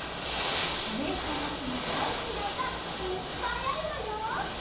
おねえさんたちもだいすきなうたいっぱいあるわよ。